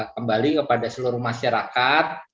kembali kepada seluruh masyarakat